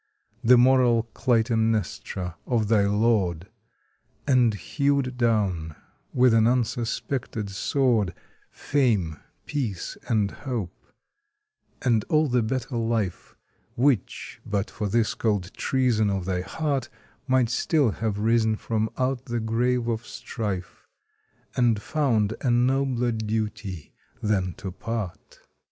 The moral Clytemnestra of thy lord, And hewed down, with an unsuspected sword, Fame, peace, and hope and all the better life Which, but for this cold treason of thy heart, Might still have risen from out the grave of strife, And found a nobler duty than to part.